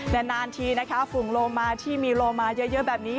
นานทีนะคะฝุ่นโลมาที่มีโลมาเยอะแบบนี้